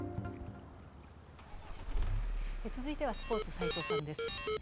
続いてはスポーツ、齋藤さんです